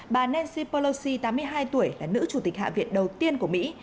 bà nancy pollosi tám mươi hai tuổi là nữ chủ tịch hạ viện đầu tiên của mỹ